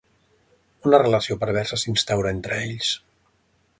Una relació perversa s'instaura entre ells.